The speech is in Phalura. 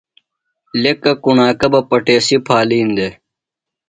لیکہ کُݨاکہ بہ پٹیسی پھالِین دےۡ۔